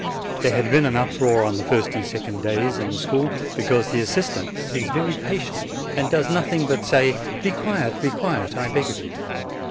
There had been an uproar on the first and second days, in the school, because the assistant is very patient and does nothing but say. "Be quiet, be quiet, I beg of you."